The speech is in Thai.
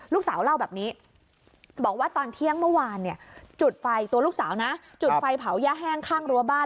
ลูกสาวเล่าแบบนี้บอกว่าตอนเที่ยงเมื่อวานเนี่ยจุดไฟตัวลูกสาวนะจุดไฟเผาย่าแห้งข้างรั้วบ้าน